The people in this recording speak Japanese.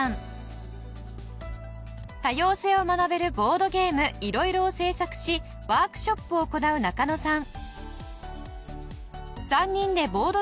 多様性を学べるボードゲーム「ＩＲＯＩＲＯ」を制作しワークショップを行う中野さん。